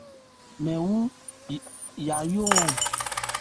Mɛn wu yayóhɔn.